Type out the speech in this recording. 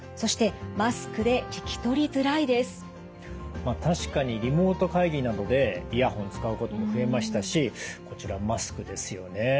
まあ確かにリモート会議などでイヤホン使うことも増えましたしこちらマスクですよね。